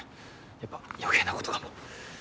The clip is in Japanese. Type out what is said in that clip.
やっぱ余計なことかも。